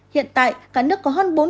hiện tại cả nước có hơn bốn